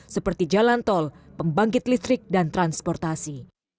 seperti jalan tol pembangkit listrik dan transportasi